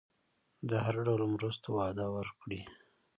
د هر ډول مرستو وعده ورکړي.